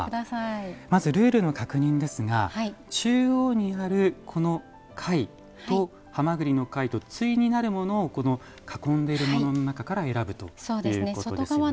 まずルールの確認ですが中央にある貝とハマグリの貝と対になるものをこの囲んでいるものの中から選ぶということですね。